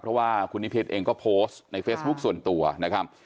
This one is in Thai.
เพราะว่าคุณนิพิษเองก็โพสต์ในเฟซบุ๊คส่วนตัวนะครับ